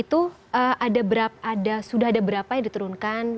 itu ada berapa sudah ada berapa yang diturunkan